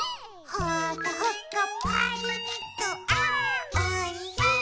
「ほかほかパリッとあーおいしい！」